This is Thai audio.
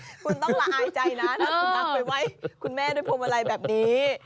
คุณต้องละอายใจนะถ้าคุณทักไปไว้คุณแม่ด้วยพวงมาลัยแบบนี้